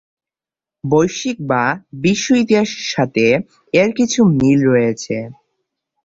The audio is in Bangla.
বৈশ্বিক বা বিশ্ব ইতিহাসের সাথে এর কিছু মিল রয়েছে।